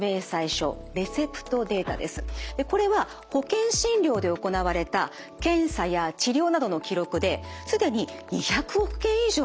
これは保険診療で行われた検査や治療などの記録ですでに２００億件以上のデータがですね